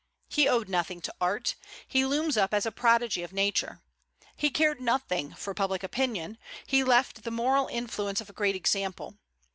He owed nothing to art; he looms up as a prodigy of Nature. He cared nothing for public opinion; he left the moral influence of a great example.